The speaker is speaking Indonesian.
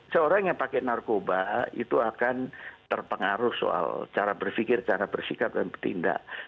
seorang yang pakai narkoba itu akan terpengaruh soal cara berpikir cara bersikap dan bertindak